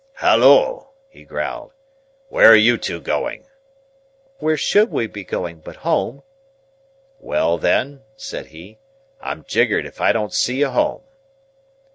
"Halloa!" he growled, "where are you two going?" "Where should we be going, but home?" "Well, then," said he, "I'm jiggered if I don't see you home!"